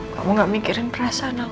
kamu gak mikirin perasaan